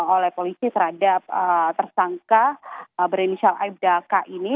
oleh polisi terhadap tersangka berenisial aja kak ini